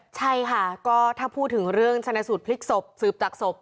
ใช่ค่ะก็ถ้าพูดถึงเรื่องชนะสูตรพลิกศพสืบจากศพ